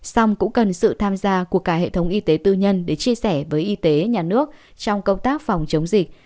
xong cũng cần sự tham gia của cả hệ thống y tế tư nhân để chia sẻ với y tế nhà nước trong công tác phòng chống dịch